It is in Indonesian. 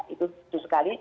itu tentu sekali